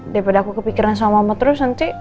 daripada aku kepikiran sama mama terus nanti